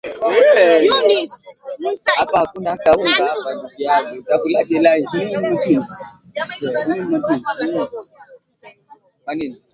Walipishana na wanajamhuri ambao walimshinikiza Jackson juu ya kuanzisha ndoa za watu wa jinsia moja